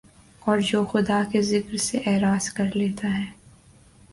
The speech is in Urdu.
اور جو خدا کے ذکر سے اعراض کر لیتا ہے